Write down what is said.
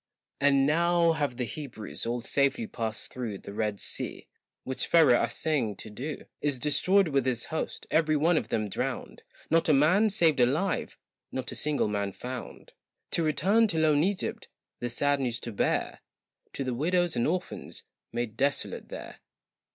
And now have the Hebrews all safely passed through The Red Sea, which Pharaoh assaying to do Is destroyed with his host, every one of them drowned, Not a man saved alive, not a single man found To return to lone Egypt, the sad news to bear To the widows and orphans made desolate there.